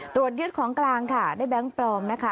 ตรวจยึดของกลางค่ะได้แบงค์ปลอมนะคะ